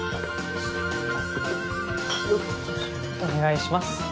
お願いします。